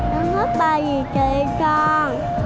con thấy ba gì kỳ con